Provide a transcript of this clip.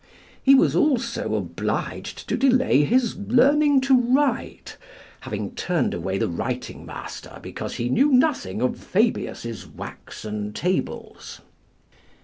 He was also obliged to delay his learning to write, having turned away the writing master because he knew nothing of Fabius's waxen tables.